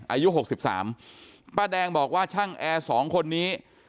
อายุ๖๓ป้าแดงบอกว่าช่างแอร์สองคนนี้